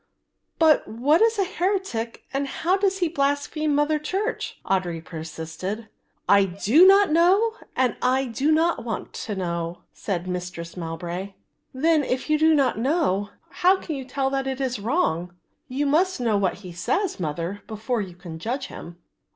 "But what is a heretic and how does he blaspheme Mother Church?" Audry persisted. "I do not know and I do not want to know," said Mistress Mowbray. "Then if you do not know, how can you tell that it is wrong? You must know what he says, Mother, before you can judge him."